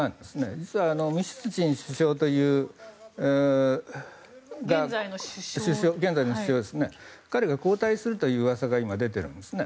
実は、ミシュスチン首相という現在の首相彼が交代するという噂が出ているんですね。